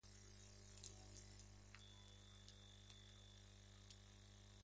Otros estudiosos proponen diferentes fechas.